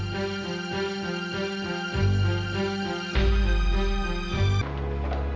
tidak ada yang bisa diberikan